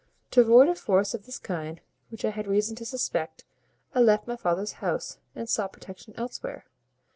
To avoid a force of this kind, which I had reason to suspect, I left my father's house, and sought protection elsewhere.